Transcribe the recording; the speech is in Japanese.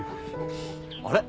あれ？